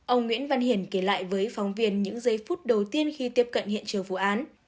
ông nguyễn văn hiển kể lại với phóng viên những giây phút đầu tiên khi tiếp cận hiện trường vụ án